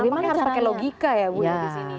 kenapa harus pakai logika ya bu yang di sini ya